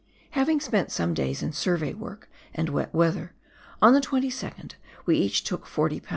Having spent some days in survey work and wet weather, on the 22nd we each took 40 lb.